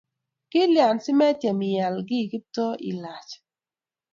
kilyan si maityem ilach kiKiptooo ial